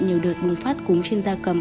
nhiều đợt bùng phát cúm trên da cầm